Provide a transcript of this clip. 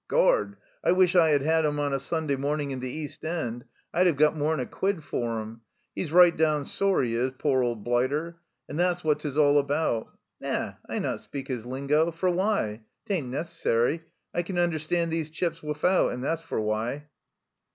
Gord ! 1 wish I had had 'em on a Sunday morning in the East End ! I'd 'ev got more'n a quid for 'em ! 'E's right down sore, 'e is, pore old blighter ! And thet's what 'tis all about. Na, I not speak his lingo for why ? 'Tain't necessary ; I can understand these chaps wifout, and that's for why."